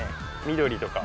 緑とか。